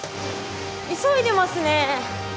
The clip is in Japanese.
急いでますね。